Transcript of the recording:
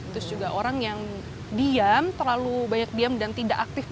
terus juga orang yang diam terlalu banyak diam dan tidak aktif